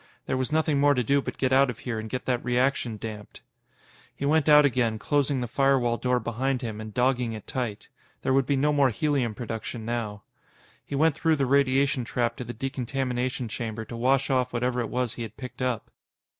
There was nothing more to do but get out of here and get that reaction damped. He went out again, closing the firewall door behind him and dogging it tight. There would be no more helium production now. He went through the radiation trap to the decontamination chamber to wash off whatever it was he had picked up.